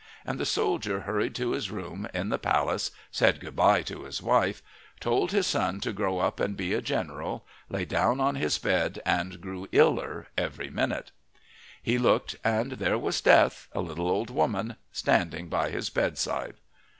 And the soldier hurried to his room in the palace, said good bye to his wife, told his son to grow up and be a general, lay down on his bed and grew iller every minute. He looked, and there was Death, a little old woman, standing by his bedside.